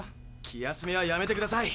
気休めはやめてください。